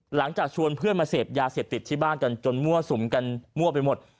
หลังจากชวนเพื่อนมาเสพยาเสพติดที่บ้านกันจนมั่วสุมกันมั่วไปหมด